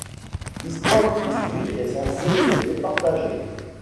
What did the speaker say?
L'histoire qui suit est censée les départager.